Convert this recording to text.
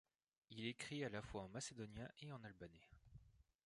Il écrit à la fois en macédonien et en albanais.